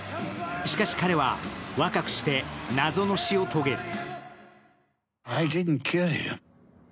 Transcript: しかし、彼は若くして謎の死を遂げる。